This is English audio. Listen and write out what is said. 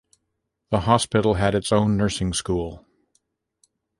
The hospital had its own nursing school.